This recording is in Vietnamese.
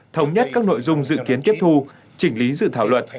thống nhất các nội dung dự kiến tiếp thu chỉnh lý dự thảo luật